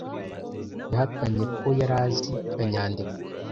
Yahakanye ko yari azi kanyandekwe.